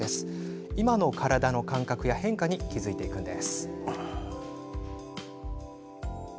今の体の感覚や変化に気付いていくんです。